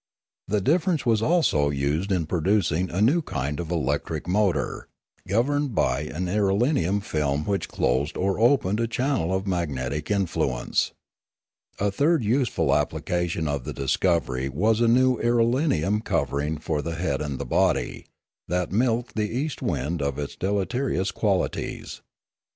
The difference was also used in producing a new kind of electric motor, governed by an irelium film which closed or opened a channel of magnetic influence. A third useful applica tion of the discovery was a new irelium covering for the head and the body, that milked the east wind of its deleterious qualities.